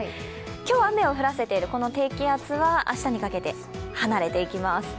今日、雨を降らせている低気圧は明日にかけて離れていきます。